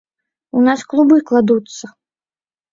У нас клубы кладуцца!